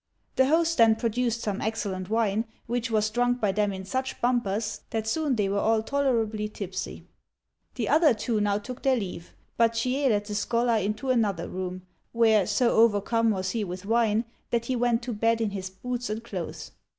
The host then produced some excellent wine, which was drunk by them in such bumpers that soon they were all tolerably tipsy. The other two now took their leave; but Chieh led the scholar into another room, where, so overcome was he with wine, that he went to bed in his boots and clothes.